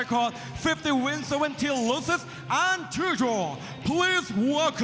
ไฟตเตอร์มวยไทยไฟตเตอร์